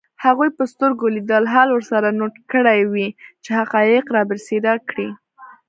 هغوی به سترګو لیدلی حال ورسره نوټ کړی وي چي حقایق رابرسېره کړي